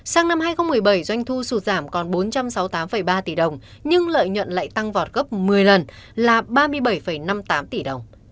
sang năm hai nghìn một mươi bảy doanh thu sụt giảm còn bốn trăm sáu mươi tám ba tỷ đồng nhưng lợi nhuận lại tăng vọt gấp một mươi lần là ba mươi bảy năm mươi tám tỷ đồng